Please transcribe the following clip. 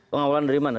pengawalan dari mana